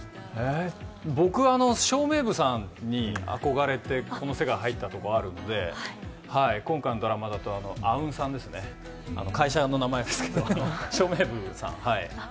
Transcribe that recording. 僕、照明部さんに憧れてこの世界に入ったところあるので今回のドラマではあうんさんですね、会社の名前ですけどね、照明部さん